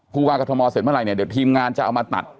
คู่กาธมศาสตร์เสร็จเมื่อไรเดี๋ยวทีมงานจะเอามาตัด